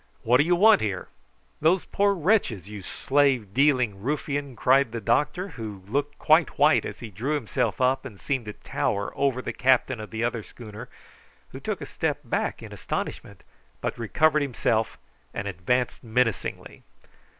"What do you want here?" "Those poor wretches, you slave dealing ruffian," cried the doctor, who looked quite white as he drew himself up and seemed to tower over the captain of the other schooner, who took a step back in astonishment, but recovered himself directly and advanced menacingly.